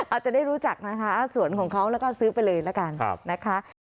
อาจจะได้รู้จักนะคะสวนของเขาแล้วก็ซื้อไปเลยละกันนะคะ